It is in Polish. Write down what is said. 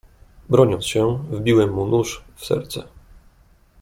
"Broniąc się, wbiłem mu nóż w serce."